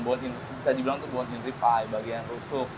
bone in bisa dibilang tuh bone in rib pie bagian rusuk